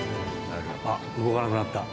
あっ動かなくなった。